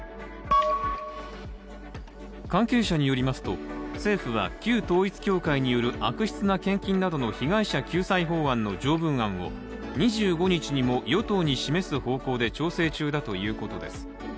関係者によりますと、政府は旧統一教会による悪質な献金などによる被害者救済法案を２５日にも与党に示す方向で調整中だということです。